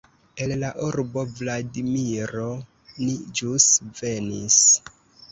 El la urbo Vladimiro ni ĵus venis!